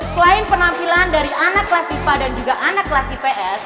selain penampilan dari anak kelas ifah dan juga anak kelas ips